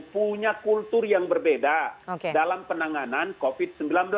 punya kultur yang berbeda dalam penanganan covid sembilan belas